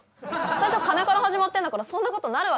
最初金から始まってんだからそんなことなるわけないじゃん。